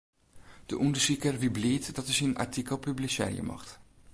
De ûndersiker wie bliid dat er syn artikel publisearje mocht.